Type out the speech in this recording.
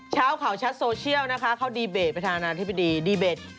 เช้าข่าวชัตช์โซเชียลนะคะเขาต่างรหัสประหลาดทฤพธิดีเบร์ด